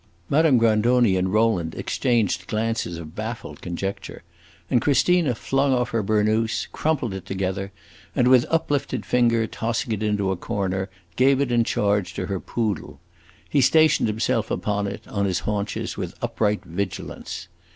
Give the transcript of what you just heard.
Madame Grandoni and Rowland exchanged glances of baffled conjecture, and Christina flung off her burnous, crumpled it together, and, with uplifted finger, tossing it into a corner, gave it in charge to her poodle. He stationed himself upon it, on his haunches, with upright vigilance.